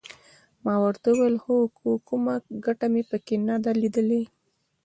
ما ورته وویل هو خو کومه ګټه مې پکې نه ده لیدلې.